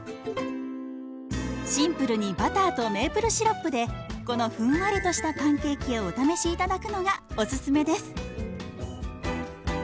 シンプルにバターとメープルシロップでこのふんわりとしたパンケーキをお試し頂くのがお勧めです！